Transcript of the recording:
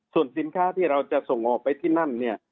ส่วนสินค้าที่เราจะส่งออกไปที่นั่นเนี่ย